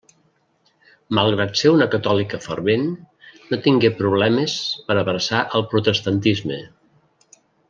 Malgrat ser una catòlica fervent no tingué problemes per abraçar el protestantisme.